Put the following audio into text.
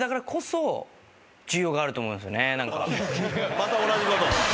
また同じことを。